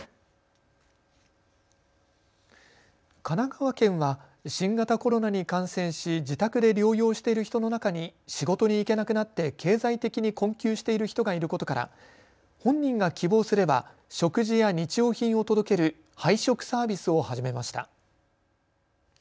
神奈川県は新型コロナに感染し自宅で療養している人の中に仕事に行けなくなって経済的に困窮している人がいることから本人が希望すれば食事や日用品を届ける配食サービスを始めました。